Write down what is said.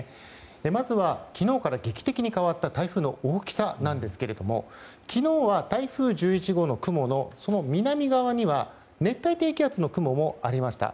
まずは、昨日から劇的に変わった台風の大きさなんですけれども昨日は台風１１号の雲の南側には熱帯低気圧の雲もありました。